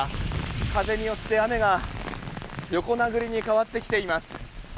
風によって雨が横殴りに変わってきています。